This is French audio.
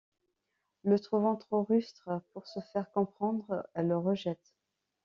Le trouvant trop rustre pour se faire comprendre, elle le rejette.